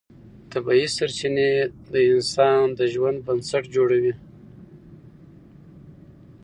طبیعي سرچینې د انسان د ژوند بنسټ جوړوي